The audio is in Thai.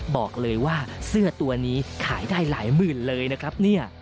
บอกเลยว่าเสื้อตัวนี้ขายได้หลายหมื่นเลยนะครับเนี่ย